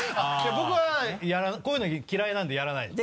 僕はこういうの嫌いなんでやらないです。